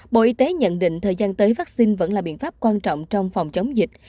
bộ y tế nhận định thời gian tới vaccine vẫn là biện pháp quan trọng trong phòng chống dịch